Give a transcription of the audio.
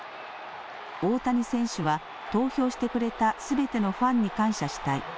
大谷選手は投票してくれたすべてのファンに感謝したい。